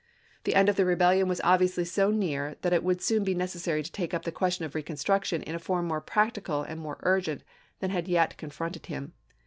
The end of the rebellion was obviously so near that it would soon be necessary to take up the question of reconstruction in a form more practical and more urgent than had yet confronted him.